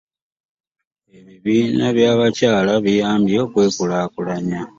Ebibina bya bakyala bibayambye okwekulaakulanya.